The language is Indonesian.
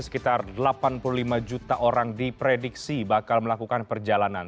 sekitar delapan puluh lima juta orang diprediksi bakal melakukan perjalanan